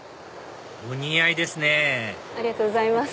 お似合いですねありがとうございます。